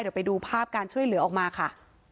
เดี๋ยวไปดูภาพการช่วยเหลือออกมาค่ะ